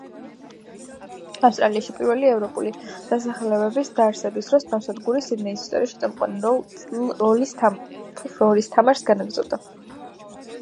ავსტრალიაში პირველი ევროპული დასახლებების დაარსების დროს ნავსადგური სიდნეის ისტორიაში წამყვანი როლის თამაშს განაგრძობდა.